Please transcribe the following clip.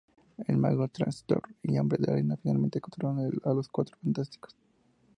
El Mago, Trapster y Hombre de Arena finalmente capturaron a los Cuatro Fantásticos.